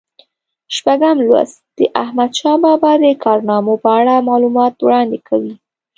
شپږم لوست د احمدشاه بابا د کارنامو په اړه معلومات وړاندې کوي.